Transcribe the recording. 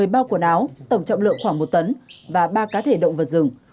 một mươi bao quần áo tổng trọng lượng khoảng một tấn và ba cá thể động vật rừng